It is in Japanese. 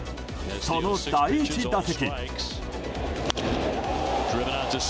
その第１打席。